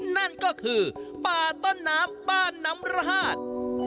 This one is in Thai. นั่นก็คือป่าต้นน้ำบ้านน้ำรหาด